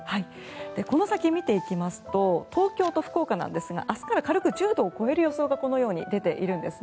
この先、見ていきますと東京と福岡なんですが明日から軽く１０度を超える予想がこのように出ているんですね。